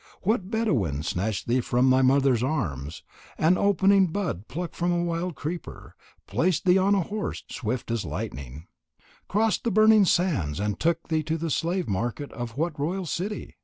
What Bedouin snatched thee from thy mother's arms, an opening bud plucked from a wild creeper, placed thee on a horse swift as lightning, crossed the burning sands, and took thee to the slave market of what royal city?